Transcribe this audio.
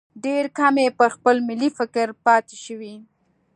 ډېر کم یې پر خپل ملي فکر پاتې شوي.